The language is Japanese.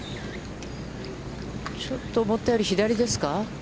ちょっと思ったよりも左ですか。